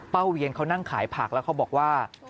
เวียนเขานั่งขายผักแล้วเขาบอกว่า